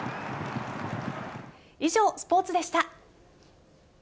以上、スポーツでした。